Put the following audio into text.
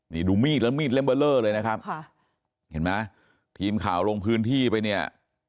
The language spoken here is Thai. นี่ดูมีดแล้วมีดเล่มเบอร์เลอร์เลยนะครับค่ะเห็นไหมทีมข่าวลงพื้นที่ไปเนี่ย